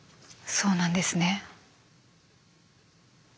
そうなんですね。